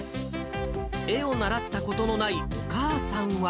絵を習ったことのないお母さんは。